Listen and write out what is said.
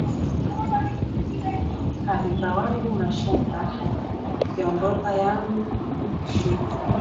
Pulika wangu Mashaka ,kiondoka yangu shika